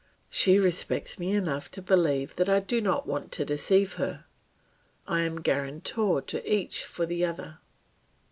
She respects me enough to believe that I do not want to deceive her. I am guarantor to each for the other.